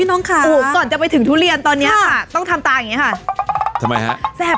โอ้ก่อนจะไปถึงทุเรียนตอนนี้ค่ะต้องทำตาอย่างเองฮะ